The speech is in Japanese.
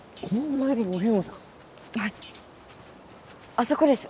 あそこです。